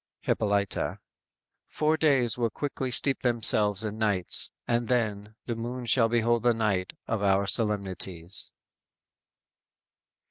"_ Hippolyta: _"Four days will quickly steep themselves in nights; And then, the moon shall behold the night Of our solemnities."